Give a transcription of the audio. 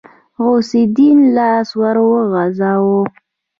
غوث الدين لاس ور وغځاوه.